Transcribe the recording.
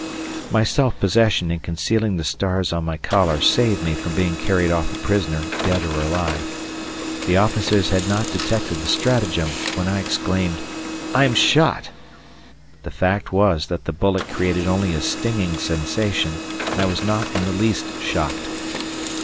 My self possession in concealing the stars on my collar saved me from being carried off a prisoner, dead or alive. The officers had not detected the stratagem, when I exclaimed, "I am shot!" The fact was that the bullet created only a stinging sensation, and I was not in the least shocked.